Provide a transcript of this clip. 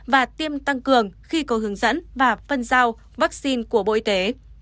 và tiêm tăng cường khi có hướng dẫn và phân giao vaccine của bộ y tế